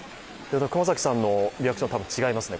熊崎さんのリアクションは違いますね。